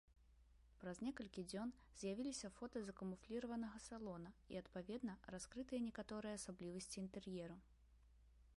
Праз некалькі дзён з'явіліся фота закамуфліраванага салона і, адпаведна, раскрытыя некаторыя асаблівасці інтэр'еру.